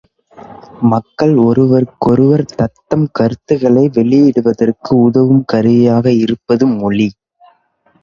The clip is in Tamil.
மக்கள் ஒருவருக்கொருவர் தத்தம் கருத்துக்களை வெளியிடுவதற்கு உதவும் கருவியாக இருப்பது மொழி.